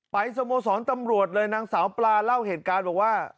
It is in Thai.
สโมสรตำรวจเลยนางสาวปลาเล่าเหตุการณ์บอกว่า